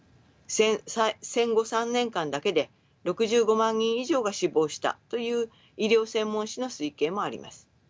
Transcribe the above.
戦後３年間だけで６５万人以上が死亡したという医療専門誌の推計もあります。